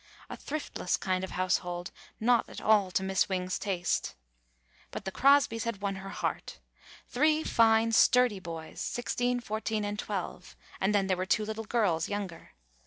A thriftless kind of house hold, not at all to Miss Wing's taste. But the Crosbys had won her heart. Three fine, sturdy boys — sixteen, fourteen, and twelve; and then there were two little girls, younger.